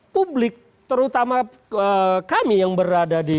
publik terutama kami yang berada di